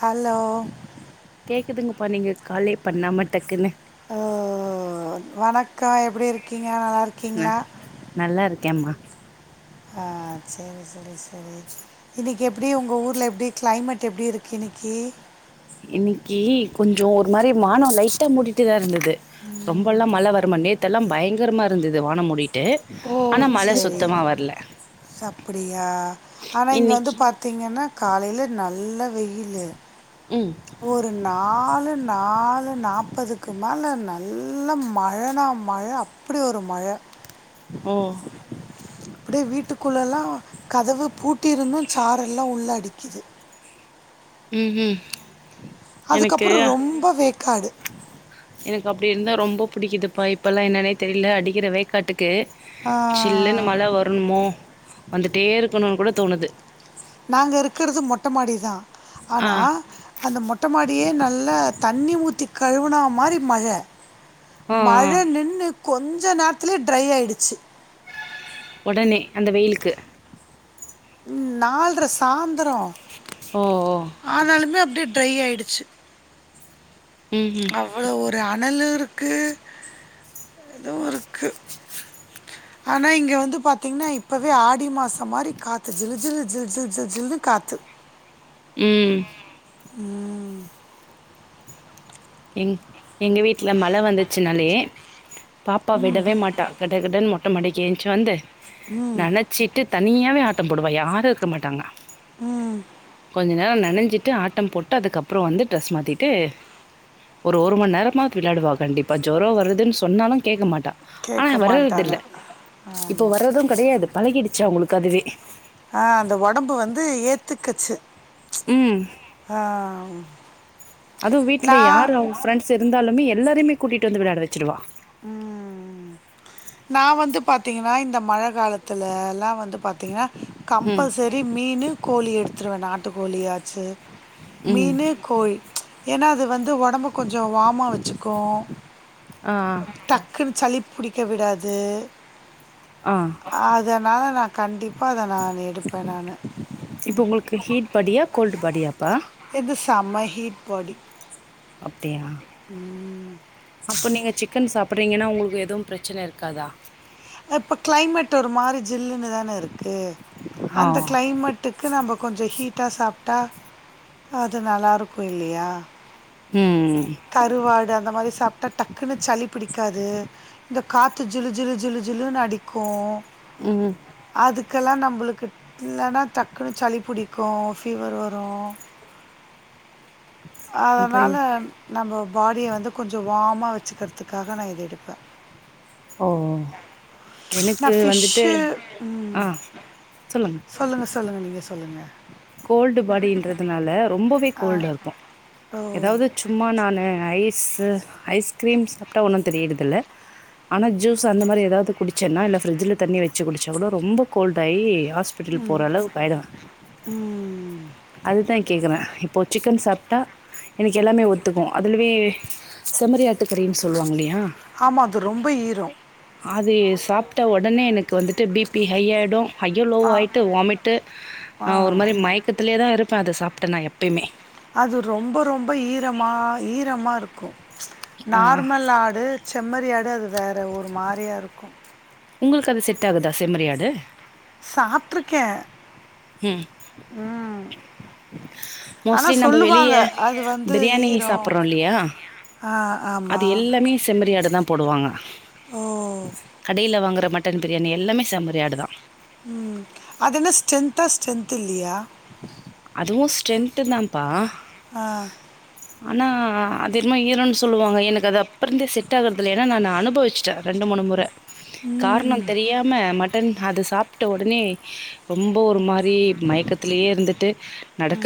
Hello எதுங்கப்பா நீங்கள் காலே பண்ணாம டக்குன்னு ஹ வணக்கம் எப்டி இருக்கீங் ய நல்லா இருக்கீங்களா எமா அஹ் செரி செரி செரி இன்னைக்கு எப்டி உங்க ஊர்ல எப்டி கிளைமேட் எப்டி இருக்கு இன்னைக்கு இன்னைக்கு கொஞ்சம் ஒரு மாரி மானம் லைட்டா மூடிட்டுதான் இருந்தது ரொம்பெல்லாம் மழ வர மண் நேத்த எலாம் பயங்கரமா இருந்தது வான முடி ஓ சரி அப்டியா ஆனா இங்க வந்து இன்னைக்கி பாத்தீங்கன்னா காலையில நல்ல வெயில் ம் ஒரு நாள் நாலு நாலு நாற்பதுக்கு மேலே நல்ல மழனா மழ அப்டி ஒரு மழ ஓ அப்டியே வீட்டுக்குளலாம் கதவு பூட்டியிருந்தும் சாரெல்லாம் உள்ள அடிக்குது உம் உம் அதுக்கப்பறம் ரொம்ப வேக்காடு எனக்கு அப்டி இருந்தா ரொம்ப பிடிக்குப்பா இப்பலாம் என்னனே தெரில அடிக்கிறவே காட்டுக்கு ஓகே சில்லுன்னு மழ வரணுமோ வந்துட்டே இருக்கணும்னு கூட தோணுது நாங்க இருக்கறது மொட்ட மாடி தான் ஆ ஆனா அந்த மொட்ட மாடி அப்டியே நல்ல தண்ணி ஊத்தி கழுவுனா மாரி மழ ஆ மழ ஆ நின்னு கொஞ்ச கொஞ்ச நேரத்துலயே ட்ரை ஆயிடுச்சு உடனே அந்த வெயிலுக்கு உம் நாள்ற சாந்தரம் ஓ ஓ ட் ட்ரை ஆயிடுச்சு ம் ம் அவ்வளோ ஒரு ஒரு அனல் இருக்கு எதுவும் இருக்கு ஆனால் இங்கே வந்து பாத்தீங்கன்னா இப்பவே ஆடி மாசம் மாரி காற்று ஜிலு ஜிலு ஜில ஜில ஜில ஜில்னுு காத்து ம் உம் உம் எங் எங்க வீட்டுல மழ வந்துச் னாலே பாப்பா விடவே மாட்டா கடகடன் மொட் மொட்ட மாடிக்கு என்ச்சு வந்து நினைச்சிட்டு தனியாவே ஆ போடுவா யாரும் இருக்க மாட்டாங்க உம் நணஞ்சிட்டு ஆட்டம் போட்டு அதுக்கப்புறம் வந்து ட்ரெஸ் மாத்திட்டு ஒரு ஒரு மணி நேரமா விளையாடுவா கண்டிப்பா ஜொரம் வருதுன்னு சொன்னாலும் கேட்க மாட்டா ஆனா கேட்க வர்றது மாட்டாங்க இல்ல ஆமாம் இப்போ வர்றதும் கிடையாது பழகிடுச்சா அவுங்களுக்கு அதுவே ஏத்துக்குச்சு ம் ஆஹ் அதுவும் வீட்ல யார்ரு ஃபிரெண்ட்ஸ் இருந்தாலுமே எல்லாருமே கூட்டிட்டு வந்து விளையாட வச்சுடுவா உம் உம் உம் நான் வந்து பாத்தீங்கன்னா இந்த மழ காலத்துல எல்லாம் வந்து பாத்தீங்கன்னா ம் கம்பல்சரி மீனு கோழி எடுத்துடுவேன் நாட்டு கோழியாச்சு ம் மீனு கோழி ஏன்னா அது வந்து ஒடம்பு கொஞ்சோ வாமா வச்சுக்கும் ஆ ஆ டக்குன்னு சளி புடிக்கும் விடாது ஆ அதனால நான் கண்டிப்பா அத நான் எடுப்பேன் நானு இப்ப உங்களுக்கு ஹீட் பாடியா கோல்டு் பாடியாப்பா இது சமஹீட் பாடி அப்படியா உம் அப்ப நீங்க சிக்கன் சாப் அப்படிங்கன்னா உங்களுக்கு எதுவும் பிரச்சன இருக்காதா இப்ப கிளைமேட் ஒரு மாதிரி ஜில்லுனு தான இருக்கு ஆ அந்த கிளைமேட்டுக்கு நம்ம கொஞ்சோ ஹீட் விட்டா சாப்பிட்டா அது நல்லா இருக்கும் இல்லையா ம் கருவாட அந்த மாரி சாப்பிட்டா டக்குன்னு சளி பிடிக்காது இந்த காத்து ஜிளு ஜிளு ஜிளு ஜிழுு அடிக்கும் உஹம் இதுக்கெல்லாம் நம்மளுக்கு இல்லன்னா டக்குன்னு சளி பிடிக்கும் ஃபீவர் வரும் அப்ப அதனால நம்ம பாடிய வந்து கொஞ்சம் வமாக வச்சுக்கிறதுக்காக நான் இது எடுப்பேன் ஓ எனக்கு நான் வந்துட்டு ஃபிஷ்ஷு ஆஹ் சொல்லுங்க சொல்லுங்கள் சொல்லுங்கள் நீங்க சொல்லுங்கள் கோல்டு பாடின்றதுனால ரொம்பவே கோல்டா இருக்கும் ஓ ஏதாவது சும்மா நான் எஸ் சார் ஐஸ் கிரீம் சாப்பிட்டா ஒன்னும் தெரியதுறதில்ல ஆனா ஜூஸ் அந்த மாதிரி ஏதாவது குடிச்சேன்னா இல்ல ஃப்ரிட்ஜில தண்ணி வச்சு குடிச்சா கூட ரொம்ப கோல்டு ஆயி ஹாஸ்பிட்டல் போகிற அளவுக்குஆயிடு அதுதான் கேக்குறேன் இப்போ சிக்கன் சாப்பிட்டா எனக்கு எல்லாமே ஒத்துக்கும் அதில்ய செம்மரி ஆட்டுக்கரின்னு சொல்லுவாங்கலயா ஆமாம் அது ரொம்ப ஈரம் அது சாப்பிட்ட உடனே எனக்கு வந்துட்டு பிபி ஹை ஆயிடும் ஐயோ லோ ஆயிட்டு வாமிட்டு ஆ ஆஹ ஒரு மாரி மயக்கத்தலய இதான் இருப்பன் அத சாப்பிட்ட நா எப்பயுமே அது ரொம்ப ரொம்ப ஈரமா ஈரமா இருக்கும் ஆ நார்மல் ஆடு செம்மறிஆடு அது வேற ஒரு மாரியாக இருக்கும் உங்களுக்கு அது செட் ஆகுதா செம்மறிஆடு சாத்துருக்கே ம் உம் மோஸ்ட்லி நம்ம வெளிய அது வந்து பிரியாணி ஈரம் சாப்படுறோம் இல்லயா ஆ அது ஆமாம் எல்லாமே செம்மறிஆடு தான் போடுவாங்க ஓ கடைல வாங்குற மட்டன் பிரியாணி எல்லாமே செம்மறிஆடுதான் ம் அதது என்ன ஸ்ட்ரென்தா ஸ்ட்ரென்த் இல்லயா அதுவும் ஸ்ட்ரென்த் தான்ப்பா ஆஹ் ஆனா அதரியமா ஈரோன்னு சொல்லுவாங்க எனக்கு அது அப்புறந்தே செட் [unintelligible] ந அனுபவிச்சட்டேன் ரெண்டு மூணு முற காரணம் தெரியாம மட்டன் அது சாப்பிட்ட உடனே ரொம்ப ஒரு மாரி மயக்கத்திலேயே [unintelligible] நடக்க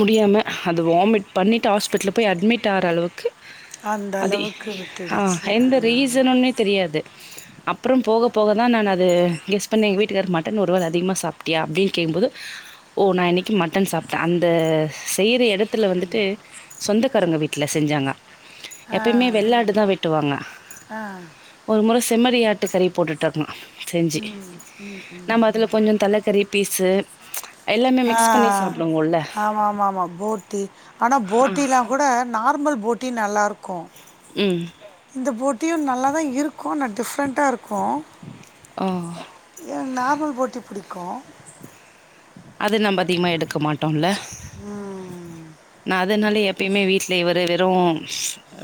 முடியாம அத வாமிட் பண்ணிட் இந்த ஹாஸ்பிட்டல் போய் அட்மிட் ஆக அளவுக்கு அந்த அ அளவுக்கு ஆஹ் விட்டுடுச்சு எந்த ரீசனுன்னே தெரியாது அப்பறம் போக போகதா நா அது கெஸ் பண்ணே எங்க வீட்டுக்காரரு மட்டன் ஒருவேள அதிகமாக சாப்பிட்டியா அப்படின்னு கேக்கும் போது ஓ நா இன்னிக். மட். ட்டன் சாப்ட்ட அந்த. செய்யற எடுத். த்துவ வந்துட்டு சொந்த. க்காரங்க வீட்டுல செஞ்சாங்க. ஆ எப்பயுமே வெள்ளாடுதா வெட்டுவாங்க ஆ ஆ ஒரு முற செம்மறியாட். சேரி போட்டுட்டு இருக்குனா. செஞ்சு. நம அதுல கொஞ்சம் தலக்கறி. பீசு ம்ச்ச. எல்லாமே மிக்ஸ். ஹ பண்ணி சாப்டுவோல்ல ஆமா ஆமா ஆமா போட்டி ஆனா ஆ போட்டி எல்லாம் கூட நார்மல் போட். சுட்டி நல்லாயிருக். க்கு. ம் இந்த போட். த்தியும் நல்லாதா இருக்கு ஆனா டிஃப்ரெண்ட்டா இருக்கு. ஓ எனக்கு நார்மல் போட்டி புடிக்கு. அது நம்ம அதிகமா எடுக்க மாட்டோம்ல. நா அதனால எப்பயுமே வீட். இல்ல இவரு வெறு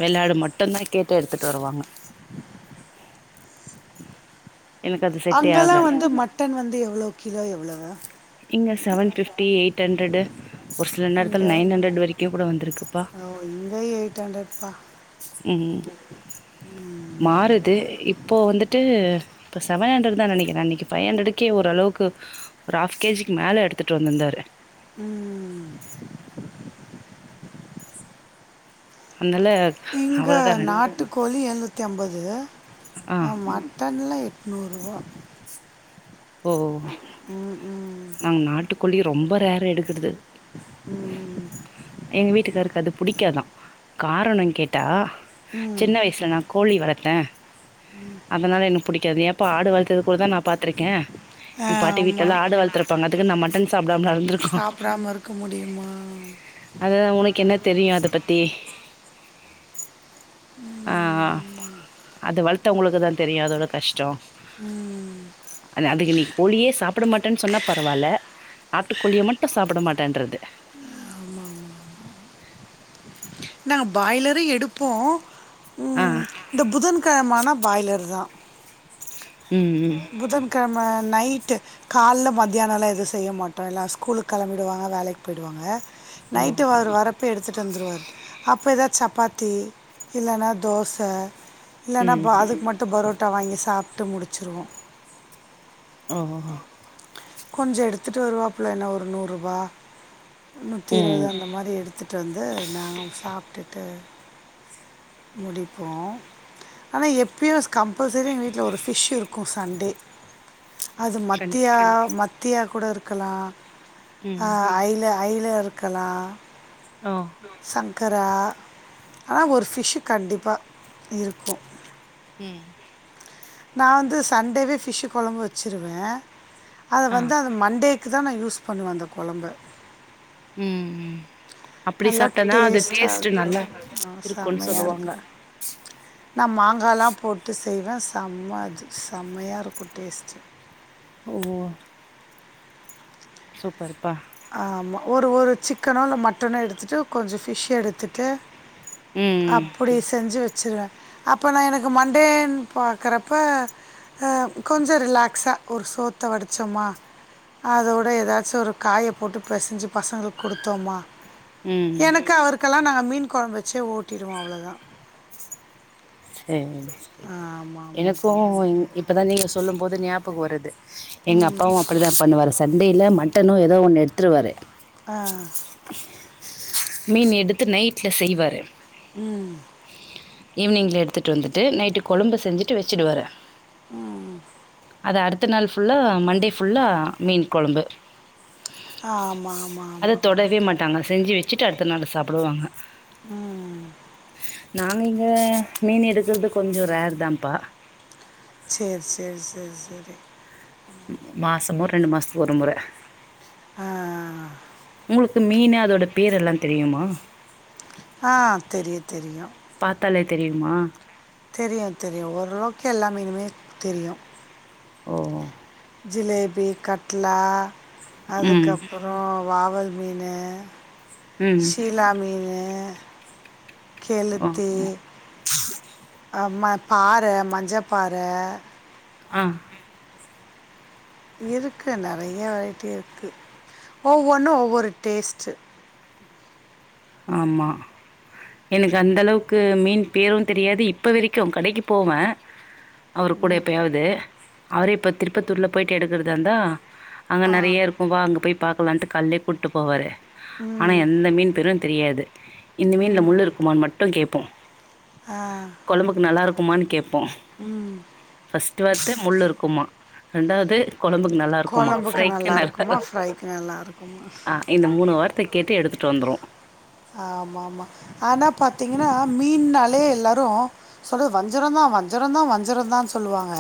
வெள்ளாடு மட்டும்தா கேட்டு எடுத்துட்டு வருவாங்க. எனக்கு அது செட்டே அங்கலாம் ஆகாது. வந்து மட்டன் வந்து எவ்ளோ கிலோ எவ்வளவு? இங்க செவன் ஃபிப்டி எயிட் ஹண்ரடு. ஒரு சில இங்க நேரத்துல நைன் ஹண்ரடு வரைக்கும் கூட வந்திருக்குப்பா. ஓ இங்க எயிட் ஹண்ட்ரட்ப்பா. உம் மாறுது இப்போ வந்துட்டு. இப்போ செவன் ஹண்ரடுதான்னு நனைக்கிற அன்னிக்கு ஃபைவ் ஹண்ட்ரடுக்கே ஒரு அளவுக்கு ஒரு ஹஃப் கேஜிக்கு மேல எடுத்துட்டு வந்துருந்தாரு. உம்ம்ம். அதனால இங்க அவ்ளோதா நாட்டுக்கோழி ஏழ்னூறு. நூத்தி எம்பதுங்க. ஆ ஆமா. தன்லா எட்நூறுரூவா. ஓ ம் நாங்க நாட்டுக்கோழி ரொம்ப ரேர் எடுக்குறது. ம் எங்க வீட்டுக்காரருக்கு அது பிடிக்காதா. காரணம் கேட்டா. ம் சின்ன வயசுல நா கோழி வளர்த்த. அதனால எனக்கு புடிக்காது ஏம்ப்பா ஆடு வளர்த்தது கூடதா நா பாத்திருக்க. எ பாட்டி வீட்டுல ஆமா. எல்லா ஆடு வளர்த்துருப்பாங்க அதுக்கு நா மட்டன் சாப்படாம இருந்துருக்கனு. சாப்பிடாம இருக்க முடியுமா அதுதா உனக்கு என்ன தெரியு அத பத்தி. ஆஹ. அது வளர்த்தவங்களுக்குதா தெரியு அதோட கஷ்டோ. அதுக்கு நீ கோழியே சாப்ட மாட்டன்னு சொன்னா. பரவாயில்ல நாட்டுக்கோழிய மட்டும் சாப்பிட மாட்டேன்றது [inaudible] நாங்க பாய்லரும் எடுப்போம் ஆ உம் இந்த புதன்கிழமா ஆன பாய்லர் தான் உம் உம் நமா நைட்டு கால மத்தியானல எதுவும் செய்ய மாட்டோம் இல்ல ஸ்கூலுக்கு கிளம்பிடுவாங்க வேலைக்கு போயிவிடுவாங்க ஓ நைட்டு அவறு வரப்ப எடுத்துட்டு வந்துருவார் அப் இப்போ எதாது சப்பாத்தி இல்லன்னா தோச இல்லன்னா பா ம் அதுக்கு மட்டும் பரோட்ட டா வாங்கி சாப்பிட்டு முடி வச்சுருவோம் உஹுன் கொஞ்சம் எடுத்துட்டு வருவாப்புல என்ன ஒரு நூறு ரூபா நுத்தி இருவது ம் அந்த மாரி எடுத்துட்டு வந்து நாங்க சாப்ட்டு டு முடிப்போம் ஆனா எப்பயும் கம்பல்சரி எங்க வீட்டில் ஒரு ஃபிஷ் இருக்கும் சண்டே அது கண் மத்திய மத்தியா கூட இருக்கலாம் ம் ஆஹ் ஆயில அயில இருக்கலாம் ஓ சன் சங்கர ஆனா ஒரு ஃபிஷ் கண்டிப்பா இருக்கும் உம் நான் வந்து சண்டேவே ஃபிஷு குழம்பு வச்சிருவேன் அது ஆ வந்து அது மண்டேக்கு துக்கு தான் நான் யூஸ் பண்ணுவேன் அந்த கொலம்ப உம் உம் நல்லா டேஸ்ட்டா இருக்கும் இருக்குன் செம்மையா சொல்லுவாங்க இருக்கும் நான் மாங்காலாம் போட்டு செய்வேன் செம்ம அது செம்மயா இருக்கும் டேஸ்ட்டு ஓ சூப்பர்ப்பா ஆமா ஒரு ஒரு சிக்கனோ இல்ல மட்டணோ எடுத்துட்டு கொஞ்சம் ஃபிஷ் எடுத்துட்டு ம் அப்படி செஞ்சு வச் வச்சுருவேன் அப்போ நான் எனக்கு மண்டேன்னு பார்க்கறப்ப கொஞ்சம் ரிலாக்ஸா ஒரு சோத்த வடித்தோமா அதோட ஏதாச்சும் ஒரு காய போட்டு பசைஞ்சு பசங்களுக்கு கொடுத்தோமா ம் எனக்கு அவரு துக்கெல்லாம் நாங்க மீன் குழம்ப வச்சே ஓட்டிடுவோம் அவ்வளோதான் சரி சரி ஆமாமா. எனக்கும் இப்பதான் நீங்க சொல்லும் போது ஞாபகம் வருது எங்க அப்பாவும் அப்படித்தான் பண்ணுவாரு சண்டேயில மட்டனும் ஏதோ ஒன்னு எடுத்துருவாறு ஆஹ் மீன் எடுத்து நைட்ல செய்வாரு உம் ஈவினிங்ல எடுத்துட்டு வந்துட்டு நைட்டு கொழம்பு செஞ்சுட்டு வச்சுடுவாறு உம் அது அடுத்த நாள் ஃபுல்லா மண்டே ஃபுல்லா மீன் குழம்பு ஆமா, ஆமா, அதை ஆமா. தொடவே மாட்டாங்க செஞ்சு வச்சுட்டு அடுத்த நாள் சாப்பிடுவாங்க நாங்க இங்க மீன் எடுக்குறது கொஞ்சம் ரேர் தான்ப்பா செரி செரி செரி செரி மாசம் ஒரு ரெண்டு மாசத்துக்கு ஒருமுறை ஆஹ் ஆஹ் ஹ் உங்களுக்கு மீன் அதோட பேரு எல்லாம் தெரியுமா ஆஹ் தெரியும் தெரியும் பாத்தாலே தெரியுமா தெரியும் தெரியும் ஓரளவுக்கு எல்லா மீனுமே தெரியும் ஓஓ பி கட்டலா ம் அதுக்கப்புறம் வாவல் மீனு ம் சீலா மீனு ஓ கெலத்தி ஆஹ் ம பாறை மஞ்சப் பாறை ஆஹ் இருக்கு நிறைய வெரைட்டி இருக்கு ஒவ்வொன்னும் ஒவ்வொரு டேஸ்ட்டு ஆமா எனக்கு அந்தளவுக்கு மீன் பேரும் தெரியாது இப்ப வரைக்கும் கடைக்கு போவேன் அவரு கூட எப்பயாவது அவரே இப்போ திருப்பத்தூரில் போய்ட்டு எடுக்கறதா இந்தா அங்க ஆ நறைய இருக்கும் வா அங்க போய் பாக்கலாம்னுட்டு கால்லேகூப்புட்டு போவாறு ஆனா ம் எந்த மீன் பேரும் தெரியாது இந்த மீன்ல முள்ளு இருக்குமான்னு மட்டும் கேட்போம் ஆ குழம்புக்கு நல்லா இருக் குமானு கேப் போம் ஃபர்ஸ்ட் வார்த்த முள் இருக்குமா ரெண்டாவது குழம்புக்கு நல்லா இருக்குமா குழம்புக்கு ப்ரைக்கு நல்லா இருக்குமா ஃப்ரைக்கு நல்லா இருக்குமா ஆஹ் இந்த மூணு வார்த்தை கேட்டு எடுத்துட்டு வந்துருவோம் ஆமா ஆமா ஆனா பாத்தீங்கன்னா மீன்னாலே எல்லாரும் சொல்றது வஞ்சிரம் தான் வஞ்சிரம் தான் வஞ்சிரம் தான்னு சொல்லுவாங்க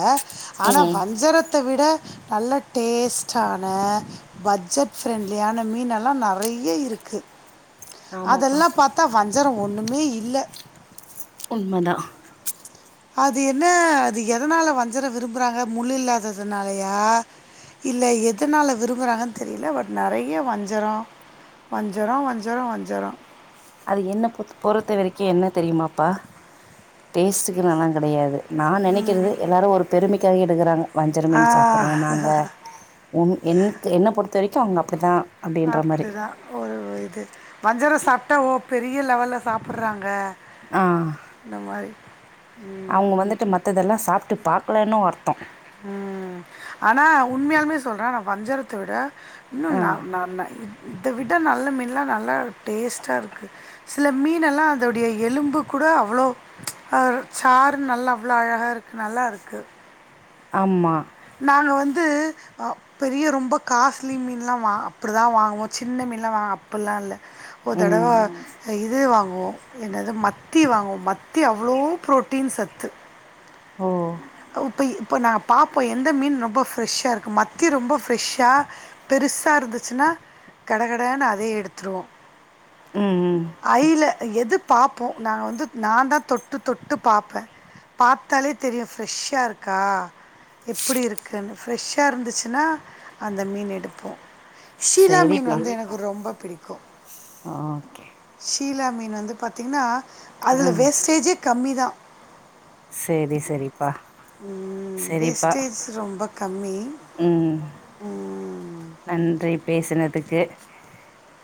ஆனா ம் வஞ்சரத்தை விட நல்ல டேஸ்டான பட்ஜெட் ப்ரெண்ட்லியான மீன் எல்லாம் நறைய இருக்கு ஆமாப்பா அதெல்லாம் பார்த்தா வஞ் சரம் ஒன்னுமே இல்லை உண்மதான் அது என்ன அது எதனால வஞ்சர விரும்புறாங்க முள் இல்லாததுனாலயா இல்ல எதனால விரும்புறாங்கன்னு தெரியல பட் நிறைய வஞ்சரம் வஞ்சரம் வஞ்சரம் வஞ்சரம் அது என்ன பொறுத்தவரைக்கும் என்ன தெரியுமாப்பா டேஸ்ட்டுக்கு எல்லாம் கிடையாது நான் நெனைக்கிறது எல்லாரும் ஒரு பெருமைக் காக எடுக்கிறாங்க வஞ்சரம் மீன் சாப்பிட்றோம் ஆ. நாங்க உன் என் என்னை பொருத்த வரைக்கும் அவுங்க அப்படி தான் அப்படிதான் ஒரு இது வஞ்சரம் சாப் டா பெரிய லெவலில் சாப்புறாங்க ஆஹ் அவுங்க வந்துட்டு மத்ததெல்லாம் சாப் ட்டு பார்க்கலேன்னு வர்த்தம் உம் ஆனா உண்மையாலுமே சொல்றேன் நான் வஞ்சரத்தை விட இன்னும் ஆ நான் நான் இ இதை விட நல்ல மீனல்லாம் நல்லா டேஸ்ட்டா இருக்கு சில மீன் எல்லாம் அதோடைய எலும்பு கூட அவ்ளோ சாறுன்ன நல்லா அவ்வளோ அழகா இருக்கு நல்லா இருக்கு ஆமா நாங்க வந்து பெரிய ரொம்ப காஸ்ட்லி மீனலாம் வா அப்படி தான் வாங்குவோம் சின்ன மீன் எல்லாம் வாங்வோ அப்டிலா இல்ல ஒரு தடவ ம் இது வாங் னோம் என்னது மத்தி வாங்குவோம் மத்தி அவ்வளோ ப்ரோட்டீன் சத்து ஓ இப்போ இப்போ நா பாப்போம் எந்த மீன் ரொம்ப ஃப்ரெஷ் இருக்கு மத்தி ரொம்ப ஃப்ரெஷ்ஷா பெருசா இருந்துச்சுனா கட கடனு அதே எடுத்துருவோம் உம் உம் ஐயில் எது பாப்போம் நாங்க நான் வந்து நான் தான் தொட்டு தொட்டு பாப்பேன் பாத்தாலே தெரியும் ஃப்ரெஷ்ஷா இருக்கா எப்படி இருக்குன்னு ஃப்ரெஷ்ஷா இருந்துச்சுனா அந்த மீன் எடுப்போம் ஷீலா மீன் சேரிப்பா வந்து எனக்கு ரொம்ப பிடிக்கும் ஓகே சிஷீலா மீன் வந்து பாத்தீங்கன்னா ஆ அதுல வேஸ்டேஜே கம்மிதான் சேரி சேரிப்பா சேரிப்பா வேஸ்டேஜ் ரொம்ப கம்மி உம் ம், நன்றி பேசினதுக்கு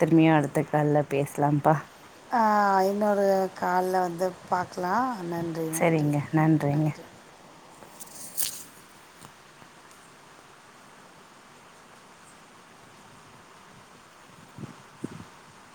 திருமயு அடுத்த கால்ல பேசலாம்ப்பா ஹான் ஐநூறு கால்ல வந்து பாக்கலாம் நன்றி நன்றி சரிங்க நன்றிங்க நன்றி [inaudible]